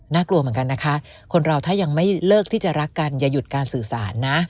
กลัวเหมือนกันนะคะคนเราถ้ายังไม่เลิกที่จะรักกันอย่าหยุดการสื่อสารนะ